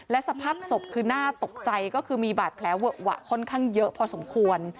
และสภาพศพคือน่าตกใจก็คือมีบาดแผลเวอะหวะค่อนข้างเยอะพอสมควร